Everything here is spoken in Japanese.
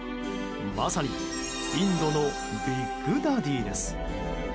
まさにインドのビッグダディです。